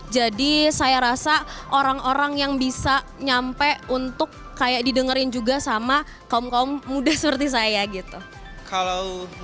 jadi saya rasa orang orang yang bisa nyampe untuk kayak didengerin juga sama kaum kaum muda seperti saya gitu